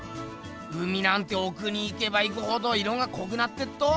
海なんておくに行けば行くほど色がこくなってっと！